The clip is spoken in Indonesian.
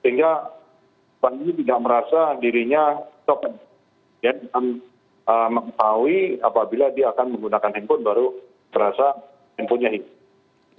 sehingga pandu tidak merasa dirinya topik dan mengetahui apabila dia akan menggunakan handphone baru terasa handphonenya itu